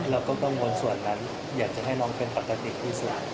เราก็กังวลส่วนนั้นอยากจะให้น้องเป็นปกติที่สุด